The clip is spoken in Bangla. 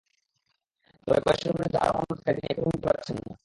তবে গয়েশ্বরের বিরুদ্ধে আরও মামলা থাকায় তিনি এখনই মুক্তি পাচ্ছেন না।